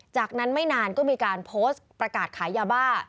จากนั้นไม่นานก็มีการโพสต์ประกาศขายยาบ้า